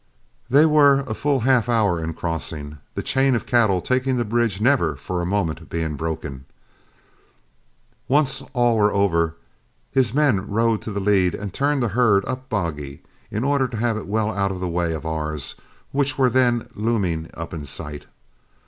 They were a full half hour in crossing, the chain of cattle taking the bridge never for a moment being broken. Once all were over, his men rode to the lead and turned the herd up Boggy, in order to have it well out of the way of ours, which were then looming up in sight.